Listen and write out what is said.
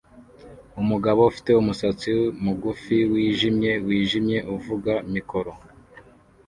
Umugabo ufite umusatsi mugufi wijimye wijimye uvuga mikoro